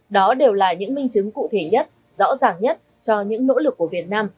đó đều là những minh chứng cụ thể nhất rõ ràng nhất cho những nỗ lực của việt nam